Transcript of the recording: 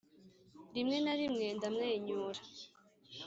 rimwe na rimwe ndamwenyura